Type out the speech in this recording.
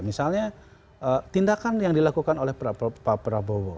misalnya tindakan yang dilakukan oleh pak prabowo